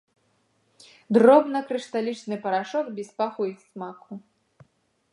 Дробнакрышталічны парашок без паху і смаку.